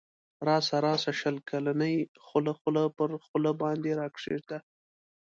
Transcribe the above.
راسه راسه شل کلنی خوله خوله پر خوله باندی راکښېږده